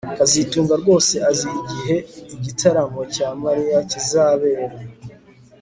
kazitunga rwose azi igihe igitaramo cya Mariya kizabera